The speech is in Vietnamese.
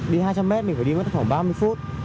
đi hai trăm linh mét mình phải đi mất khoảng ba mươi phút